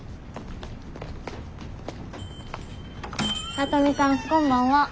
聡美さんこんばんは。